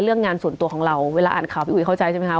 เรื่องงานส่วนตัวของเราเวลาอ่านข่าวพี่อุ๋ยเข้าใจใช่ไหมคะ